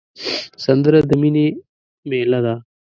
سندره د مینې میله ده